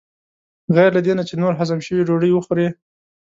غیر له دې نه چې نور هضم شوي ډوډۍ وخورې.